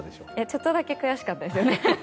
ちょっとだけ悔しかったですよね。